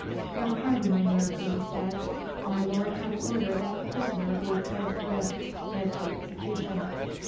"Your pardon, mynheer," he said, "my lord hath ordered that the prisoner be forthwith led to execution."